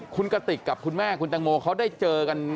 คุณกติกกับคุณแม่คุณตังโมเขาได้เจอกัน